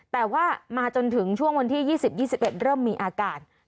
แต่ว่ามาจนถึงช่วงวันที่๒๐๒๑เริ่มมีอาการ